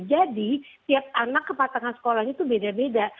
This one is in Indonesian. jadi siap anak kematangan sekolahnya itu beda beda